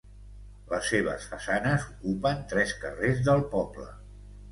Les seves façanes ocupen tres carrers del poble.